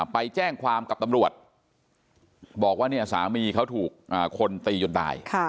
ไปแจ้งความกับตำรวจบอกว่าเนี่ยสามีเขาถูกคนตีจนตาย